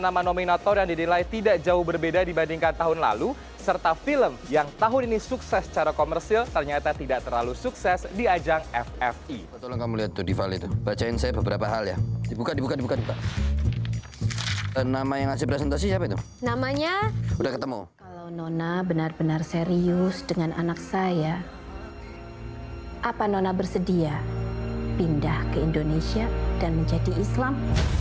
apa nona bersedia pindah ke indonesia dan menjadi islam